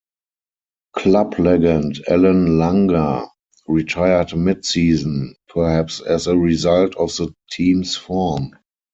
Club legend Allan Langer retired mid-season, perhaps as a result of the team's form.